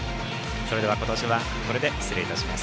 それでは、今年はこれで失礼します。